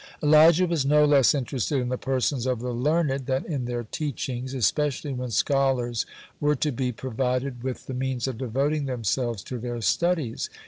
(85) Elijah was no less interested in the persons of the learned than in their teachings, especially when scholars were to be provided with the means of devoting themselves to their studies.